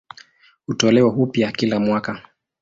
Hutolewa upya kila mwaka.